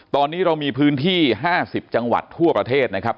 ตอนนี้เรามีพื้นที่๕๐จังหวัดทั่วประเทศนะครับ